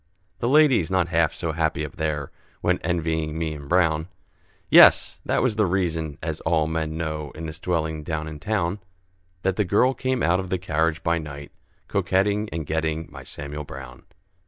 The ladies, not half so happy up there, Went envying me and Brown; Yes! that was the reason (as all men know, In this dwelling down in town), That the girl came out of the carriage by night, Coquetting and getting my Samuel Brown.